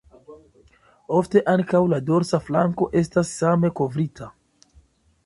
Ofte ankaŭ la dorsa flanko estas same kovrita.